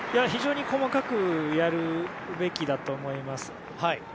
非常に細かくやるべきだと思います。